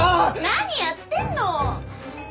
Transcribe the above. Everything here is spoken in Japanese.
何やってんの！